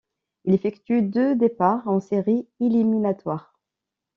Il effectue deux départs en séries éliminatoires.